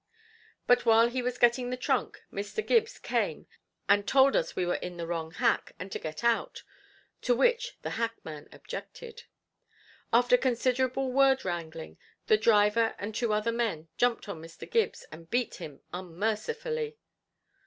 But while he was getting the trunk, Mr. Gibbs came and told us we were in the wrong hack, and to get out, to which the hackman objected. After considerable word wrangling, the driver and two other men jumped on Mr. Gibbs, and beat him unmercifully.